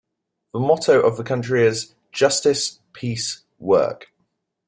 The motto of the country is : "Justice, Peace, Work".